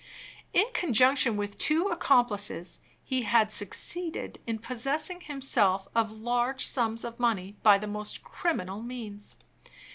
In conjunction with two accomplices, he had succeeded in possessing himself of large sums of money by the most criminal means.